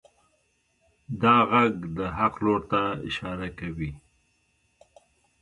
دا غږ د حق لور ته اشاره کوي.